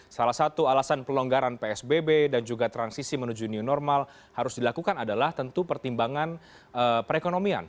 salah satu alasan pelonggaran psbb dan juga transisi menuju new normal harus dilakukan adalah tentu pertimbangan perekonomian